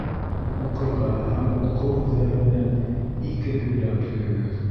«Уҡырға» һәм «уҡыу» һүҙҙәре менән ике һөйләм төҙөгөҙ